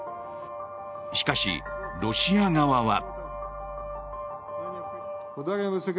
しかし、ロシア側は。